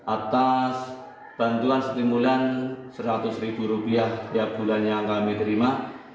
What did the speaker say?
atas bantuan stimulan seratus ribu rupiah tiap bulan yang kami terima